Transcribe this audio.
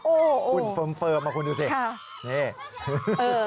โอ๊ะช่อมเฟิร์มมามองดิวเสียค่ะนี่